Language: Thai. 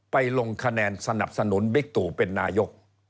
ลงคะแนนสนับสนุนบิ๊กตู่เป็นนายก